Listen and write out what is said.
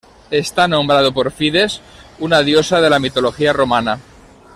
Está nombrado por Fides, una diosa de la mitología romana.